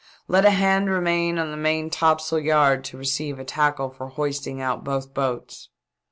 •' Let a hand remain on the main topsail yard to receive a tackle for hoisting out both boats."